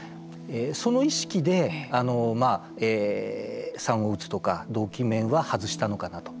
その意識で、産後うつとか動機面は外したのかなと。